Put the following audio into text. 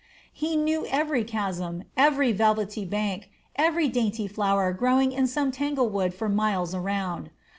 He knew every chasm, every velvety bank, every dainty flower growing in some tanglewood for miles around.